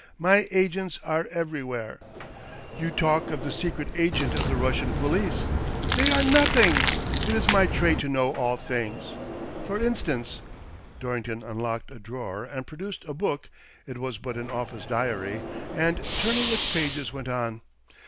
" My agents are everywhere. You talk of the secret agent of the Kussian police — they are nothing. It is my trade to know all things. For instance "— Dorrington unlocked a drawer and produced a book (it was but an othce diary), and, turning its pages, went on.